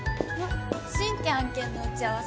新規案件の打ち合わせ